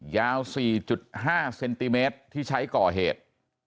ยาวสี่จุดห้าเซนติเมตรที่ใช้ก่อเหตุ